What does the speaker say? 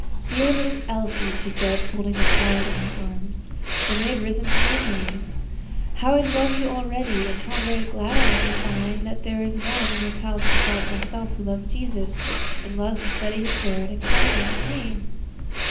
"Dear little Elsie," she said, folding the child in her arms, when they had risen from their knees, "how I love you already, and how very glad I am to find that there is one in this house beside myself who loves Jesus, and loves to study His word, and to call upon His name."